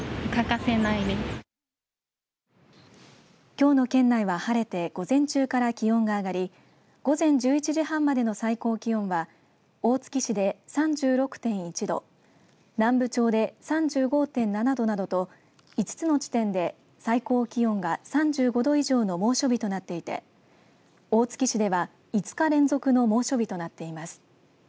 きょうの県内は晴れて午前中から気温が上がり午前１１時半までの最高気温は大月市で３６．１度南部町で３５．７度などと５つの地点で最高気温が３５度以上の猛暑日となっていて大月市では、５日連続の猛暑日となっています。